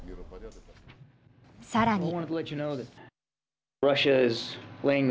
さらに。